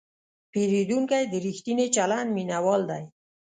پیرودونکی د ریښتیني چلند مینهوال دی.